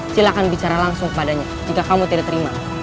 silahkan bicara langsung padanya jika kamu tidak terima